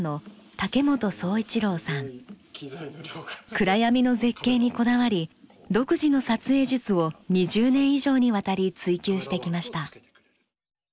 暗闇の絶景にこだわり独自の撮影術を２０年以上にわたり追求してきました。